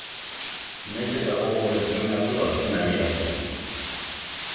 Nahiz eta gogor entrenatu azkena ailegatu zen.